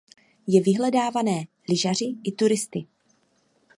Je vyhledávané lyžaři i turisty.